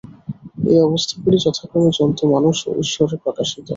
এই অবস্থাগুলি যথাক্রমে জন্তু মানুষ ও ঈশ্বরে প্রকাশিত।